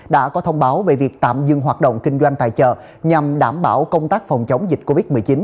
đã có thông báo về việc tạm dừng hoạt động kinh doanh tài trợ nhằm đảm bảo công tác phòng chống dịch covid một mươi chín